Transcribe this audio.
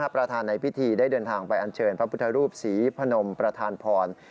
ประธานในพิธีได้เดินทางไปอันเชิญพระพุทธรูปศรีพนมประธานพร